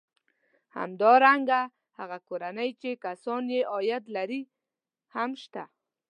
همدارنګه هغه کورنۍ چې کسان یې عاید لري هم شته